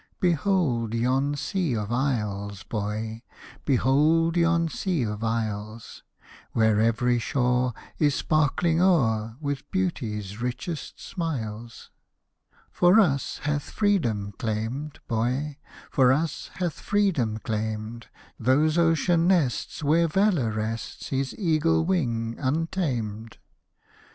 Behold yon sea of isles, boy, Behold yon sea of isles, Where every shore Is sparkling o'er With Beaut/s richest smiles. Hosted by Google SONG 8i For us hath Freedom claimed, boy, For us hath Freedom claimed Those ocean nests Where Valour rests His eagle wing untamed.